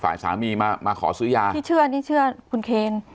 สามีมามาขอซื้อยาที่เชื่อนี่เชื่อคุณเคน